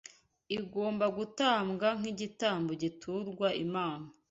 igomba gutambwa nk’igitambo giturwa Imana